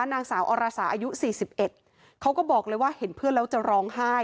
นางสาวอรสาอายุ๔๑เขาก็บอกเลยว่าเห็นเพื่อนแล้วจะร้องไห้